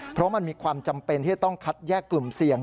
เพราะมันมีความจำเป็นที่จะต้องคัดแยกกลุ่มเสี่ยง